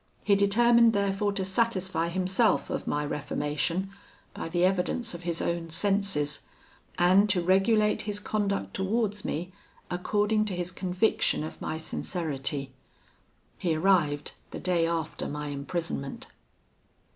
He determined therefore to satisfy himself of my reformation by the evidence of his own senses, and to regulate his conduct towards me according to his conviction of my sincerity. He arrived the day after my imprisonment.